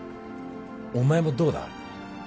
お前もどうだ？